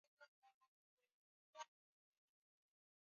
Amani ya moyo wako ni muhimu.